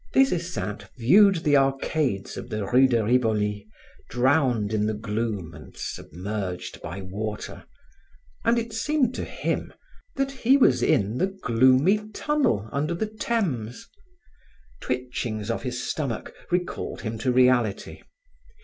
Des Esseintes viewed the arcades of the rue de Rivoli, drowned in the gloom and submerged by water, and it seemed to him that he was in the gloomy tunnel under the Thames. Twitchings of his stomach recalled him to reality.